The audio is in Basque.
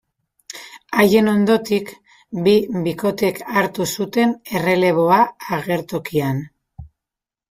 Haien ondotik, bi bikotek hartu zuten erreleboa agertokian.